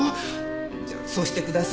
じゃあそうしてください。